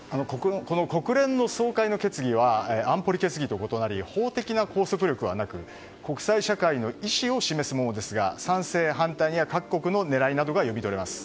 国連の総会の決議は安保理決議と異なり法的な拘束力はなく国際社会の意思を示すものですが賛成、反対には各国の狙いなどが読み取れます。